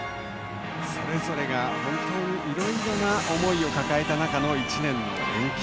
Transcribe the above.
それぞれがいろいろな思いを抱えた中の１年の延期。